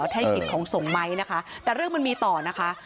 ถ้าอย่างผิดของสงมัยนะคะแต่เรื่องมันมีต่อนะคะ